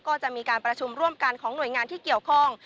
ก็จะมีการประชุมร่วมกันของหน่วยงานที่เกี่ยวข้อง